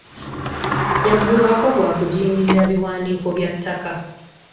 Yaggulwako gwa kujingirira biwandiiko bya ttaka.